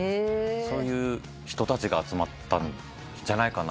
そういう人たちが集まったんじゃないかなと。